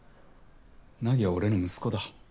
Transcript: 凪は俺の息子だ。